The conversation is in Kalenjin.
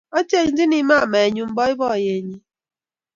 Achengjini mamaenyu boiboiyenyi